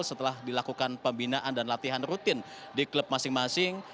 setelah dilakukan pembinaan dan latihan rutin di klub masing masing